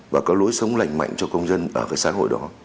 và có lối sống lành mạnh cho công dân ở cái xã hội đó